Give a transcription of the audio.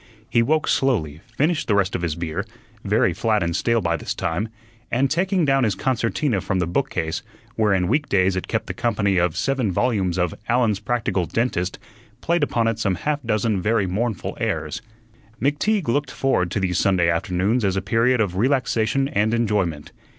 He woke slowly, finished the rest of his beer very flat and stale by this time and taking down his concertina from the bookcase, where in week days it kept the company of seven volumes of "Allen's Practical Dentist," played upon it some half dozen very mournful airs. McTeague looked forward to these Sunday afternoons as a period of relaxation and enjoyment.